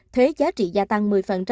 thuế giá trị gia tăng một mươi